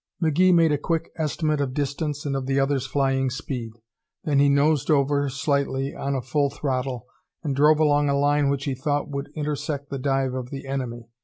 McGee made a quick estimate of distance and of the other's flying speed. Then he nosed over, slightly, on a full throttle, and drove along a line which he thought would intersect the dive of the enemy.